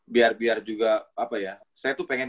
biar biar juga apa ya saya tuh pengen